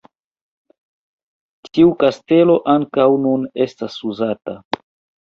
Tiu kastelo ankaŭ nun estas uzata.